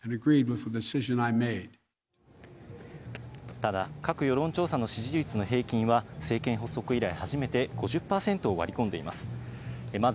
ただ、各世論調査の支持率の平均は、政権発足以来、初めて５０％を割り込んでいます。